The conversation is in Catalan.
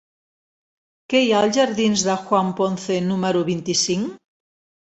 Què hi ha als jardins de Juan Ponce número vint-i-cinc?